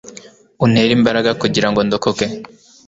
untere imbaraga kugira ngo ndokoke